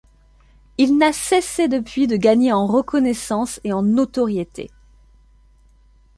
Il n'a cessé depuis de gagner en reconnaissance et en notoriété.